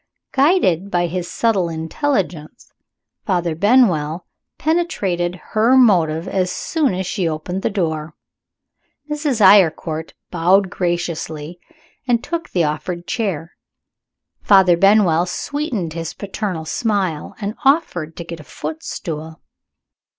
Guided by his subtle intelligence, Father Benwell penetrated her motive as soon as she opened the door. Mrs. Eyrecourt bowed graciously, and took the offered chair. Father Benwell sweetened his paternal smile and offered to get a footstool.